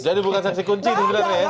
jadi bukan saksi kunci itu